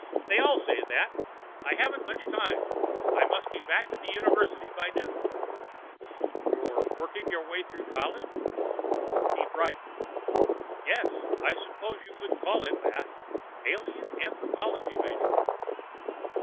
"They all say that. I haven't much time. I must be back at the University by noon." "You working your way through college?" He brightened. "Yes. I suppose you could call it that. Alien anthropology major."